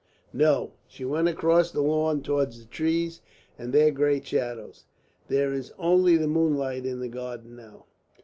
"No; she went across the lawn towards the trees and their great shadows. There is only the moonlight in the garden now."